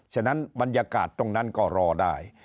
ฉะนั้นบรรยากาศตรงนั้นก็รอได้